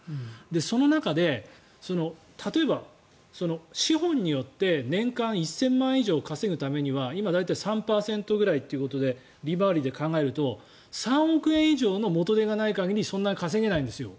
その中で例えば、資本によって年間１０００万円以上稼ぐためには今、大体３％ぐらいということで利回りで考えると３億円以上の元手がない限りそんなに稼げないんですよ。